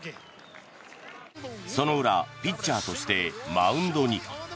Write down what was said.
その裏、ピッチャーとしてマウンドに。